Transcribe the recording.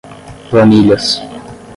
planilhas